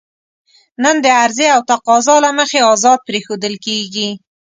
نرخ د عرضې او تقاضا له مخې ازاد پرېښودل کېږي.